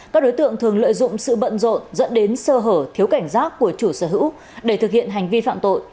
các đối tượng thường lợi dụng sự bận rộn dẫn đến sơ hở thiếu cảnh giác của chủ sở hữu để thực hiện hành vi phạm tội